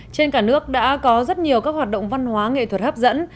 trên cả nước đã có rất nhiều các hoạt động văn hóa nghệ thuật hấp dẫn